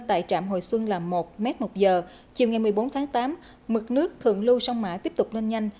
tại trạm hồi xuân là một m một giờ chiều ngày một mươi bốn tháng tám mực nước thượng lưu sông mã tiếp tục lên nhanh